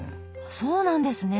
そうなんですね。